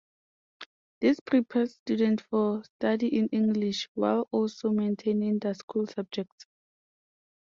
This prepares students for study in English, while also maintaining their school subjects.